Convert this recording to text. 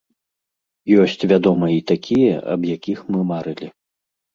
Ёсць вядома і такія, аб якіх мы марылі.